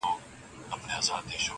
حقيقت بايد ومنل سي دلته-